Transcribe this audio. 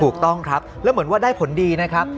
ถูกต้องครับแล้วเหมือนว่าได้ผลดีนะครับ